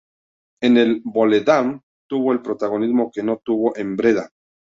En el Volendam tuvo el protagonismo que no tuvo en Breda.